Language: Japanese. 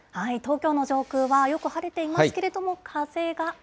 東京の上空は、よく晴れていますけれども、風が。